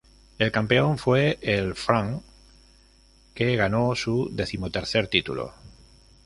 El campeón fue el Fram, que ganó su decimotercer título.